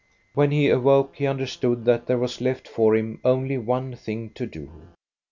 When he awoke he understood that there was left for him only one thing to do.